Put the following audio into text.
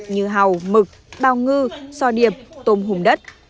như hàu mực bào ngư sò điệp tôm hùm đất